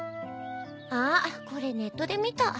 ああこれネットで見た。